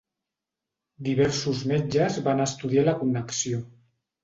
Diversos metges van estudiar la connexió.